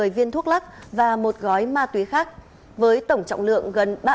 một mươi viên thuốc lắc và một gói ma túy khác với tổng trọng lượng gần ba năm gram